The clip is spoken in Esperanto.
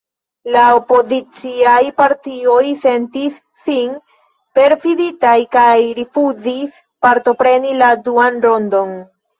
La opoziciaj partioj sentis sin perfiditaj kaj rifuzis partopreni la duan rondon.